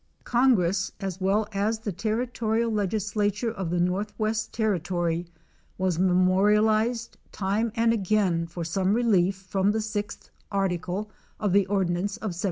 Congress, as well as the territorial legislature of the northwest ter ritory, was memorialized time and again for some relief from the 6th article of the ordinance of 1787.